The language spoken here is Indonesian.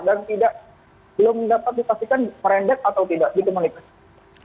dan tidak belum dapat dikasihkan merendek atau tidak di komunitas